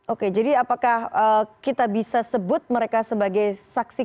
oke jadi apakah kita bisa sebut mereka sebagai saksi